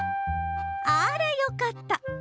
あらよかった！